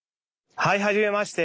はいはじめまして！